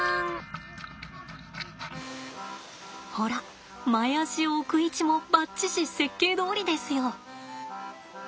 ほら前足を置く位置もバッチシ設計どおりですよ！